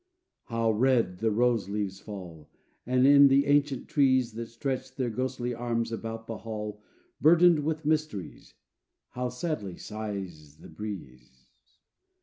How red the rose leaves fall And in the ancient trees, That stretch their ghostly arms about the Hall, Burdened with mysteries, How sadly sighs the breeze!